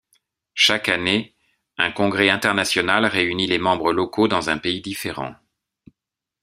Chaque année, un congrès international réunit les membres locaux dans un pays différents.